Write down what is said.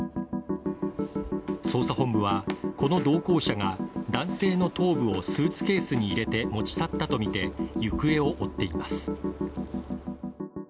捜査本部はこの同行者が男性の頭部をスーツケースに入れて持ち去ったとみて、行方を追っています。